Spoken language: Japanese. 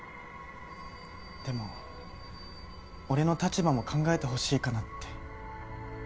でも俺の立場も考えてほしいかなって。